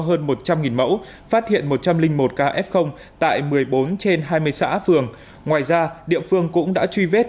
hơn một trăm linh mẫu phát hiện một trăm linh một ca f tại một mươi bốn trên hai mươi xã phường ngoài ra địa phương cũng đã truy vết